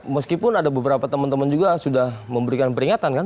meskipun ada beberapa teman teman juga sudah memberikan peringatan kan